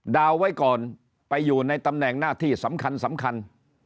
ดาวไว้ก่อนไปอยู่ในตำแหน่งหน้าที่สำคัญ